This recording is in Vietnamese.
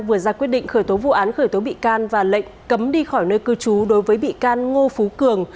vừa ra quyết định khởi tố vụ án khởi tố bị can và lệnh cấm đi khỏi nơi cư trú đối với bị can ngô phú cường